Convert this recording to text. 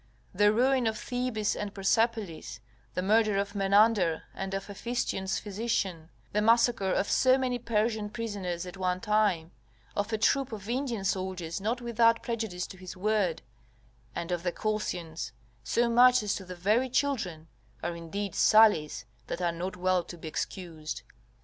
The ruin of Thebes and Persepolis, the murder of Menander and of Ephistion's physician, the massacre of so many Persian prisoners at one time, of a troop of Indian soldiers not without prejudice to his word, and of the Cossians, so much as to the very children, are indeed sallies that are not well to be excused.